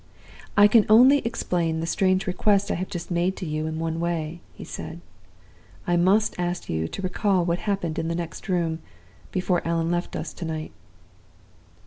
'I can only explain the strange request I have just made to you in one way,' he said. 'I must ask you to recall what happened in the next room, before Allan left us to night.